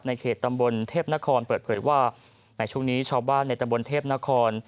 เขตตำบลเทพนครเปิดเผยว่าในช่วงนี้ชาวบ้านในตำบลเทพนคร